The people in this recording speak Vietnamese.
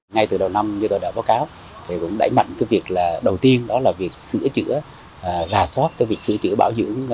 ngay từ đầu năm như tôi đã báo cáo thì cũng đẩy mạnh cái việc là đầu tiên đó là việc sửa chữa rà soát cái việc sửa chữa bảo dưỡng